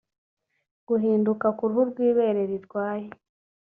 Guhinduka k’uruhu rw’ibere rirwaye